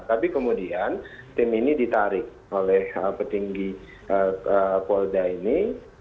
tapi kemudian tim ini ditarik oleh petinggi polda ini